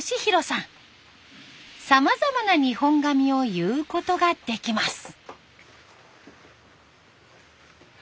さまざまな日本髪を結うことができます。